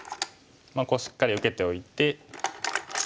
こうしっかり受けておいて。